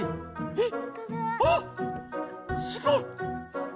えっ！